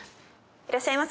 いらっしゃいませ。